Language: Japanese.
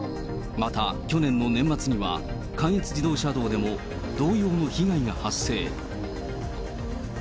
また、去年の年末には、関越自動車道でも、同様の被害が発生。